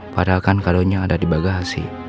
padahal kan kalonya ada di bagah sih